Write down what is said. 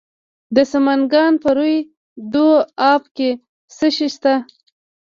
د سمنګان په روی دو اب کې څه شی شته؟